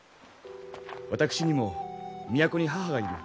私にも都に母がいる。